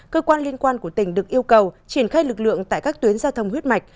cơ quan liên quan của tỉnh được yêu cầu triển khai lực lượng tại các tuyến giao thông huyết mạch